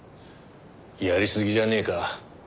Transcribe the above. やりすぎじゃねえか？